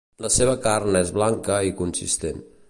La seva carn és blanca i consistent.